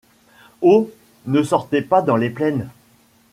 Oh ! ne sortez pas dans les plaines !